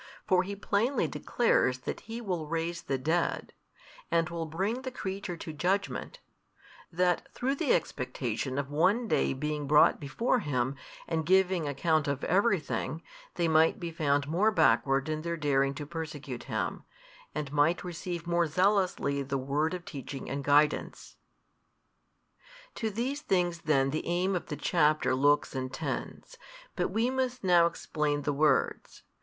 For He plainly declares that He will raise the dead, and will bring the creature to judgment, that through the expectation of one day being brought before Him and giving account of everything, they might be found more backward in their daring to persecute Him, and might receive more zealously the word of teaching and guidance. To these things then the aim of the chapter looks and tends: but we must now explain the words.